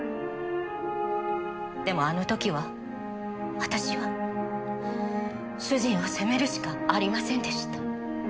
でもあの時は私は主人を責めるしかありませんでした。